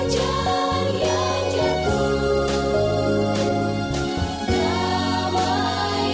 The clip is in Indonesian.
seperti sungai yang berlari